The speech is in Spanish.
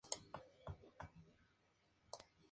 En todo ese tiempo no abandonó el periodismo.